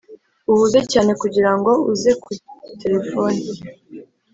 uhuze cyane kugirango uze kuri terefone.